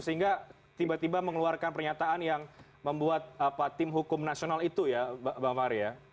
sehingga tiba tiba mengeluarkan pernyataan yang membuat tim hukum nasional itu ya mbak maria